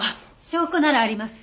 証拠ならあります。